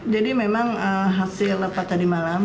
jadi memang hasil lepat tadi malam